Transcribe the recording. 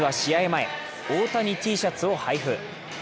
前、大谷Ｔシャツを配布。